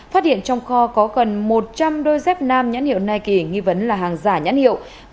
phát hiện trong kho có gần một trăm linh đôi dép nam nhãn hiệu nikki nghi vấn là hàng giả nhãn hiệu